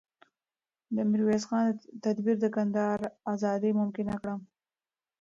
د میرویس خان تدبیر د کندهار ازادي ممکنه کړه.